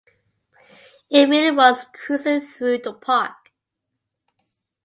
It really was cruising through the park.